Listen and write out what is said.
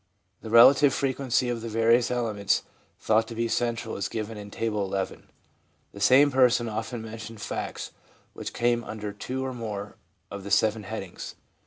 The relative frequency of the various elements thought to be central is given in Table XI. The same person often mentioned facts which came under two or more of the seven headings.